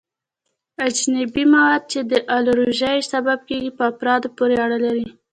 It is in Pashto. اجنبي مواد چې د الرژي سبب کیږي په افرادو پورې اړه لري.